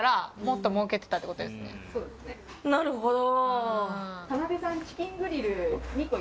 なるほど。